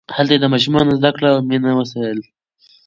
هلته یې د ماشومانو زدکړه او مینه وستایله.